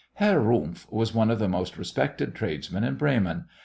Herr Rumf was one of the most respected tradesmen in Bremen.